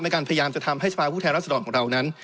พยายามจะทำให้สภาพผู้แทนรัศดรของเรานั้น